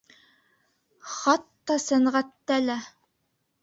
Хатта сәнғәттә лә.